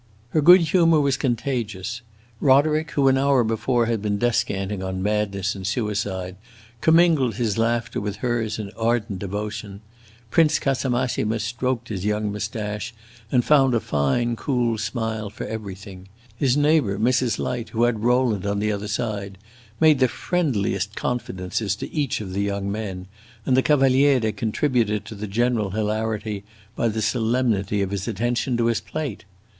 Her good humor was contagious. Roderick, who an hour before had been descanting on madness and suicide, commingled his laughter with hers in ardent devotion; Prince Casamassima stroked his young moustache and found a fine, cool smile for everything; his neighbor, Mrs. Light, who had Rowland on the other side, made the friendliest confidences to each of the young men, and the Cavaliere contributed to the general hilarity by the solemnity of his attention to his plate.